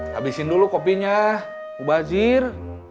habisin dulu kopinya mbah zir